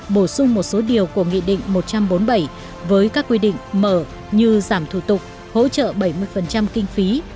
bổ sung một số điều của nghị định một trăm bốn mươi bảy với các quy định mở như giảm thủ tục hỗ trợ bảy mươi kinh phí